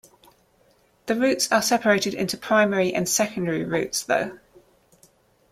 The routes are separated into primary and secondary routes, though.